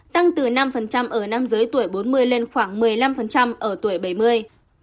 tăng từ năm ở nam giới tuổi bốn mươi lên khoảng một mươi năm ở tuổi bảy mươi